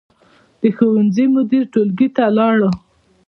د ښوونځي مدیر ټولګي ته لاړ.